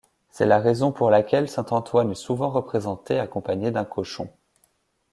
C'est la raison pour laquelle saint Antoine est souvent représenté accompagné d'un cochon.